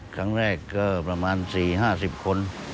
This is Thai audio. ครั้งแรกก็ประมาณ๔๕๐คน